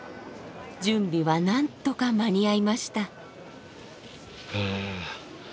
準備はなんとか間に合いました。